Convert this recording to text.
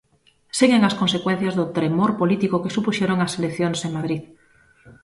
Seguen as consecuencias do tremor político que supuxeron as eleccións en Madrid.